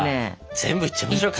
全部いっちゃいましょうか？